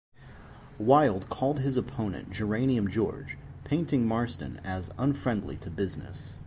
Wilde called his opponent "Geranium George", painting Marston as unfriendly to business.